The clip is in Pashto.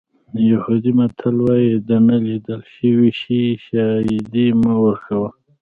یهودي متل وایي د نه لیدل شوي شي شاهدي مه ورکوه.